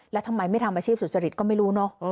แล้วทำไมไม่ทำอาชีพสุจริตก็ไม่รู้เนอะ